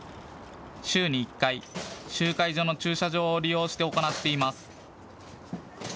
週に１回、集会所の駐車場を利用して行っています。